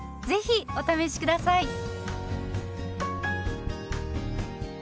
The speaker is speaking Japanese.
ぜひお試し下さい。